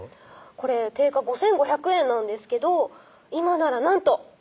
「これ定価５５００円なんですけど今ならなんと」